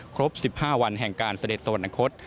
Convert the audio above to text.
ครบ๑๕วันแห่งการเสด็จสวรรคต